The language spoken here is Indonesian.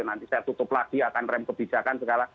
nanti saya tutup lagi akan rem kebijakan segala